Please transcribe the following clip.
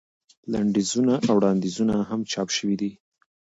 لنډیزونه او وړاندیزونه هم چاپ شوي دي.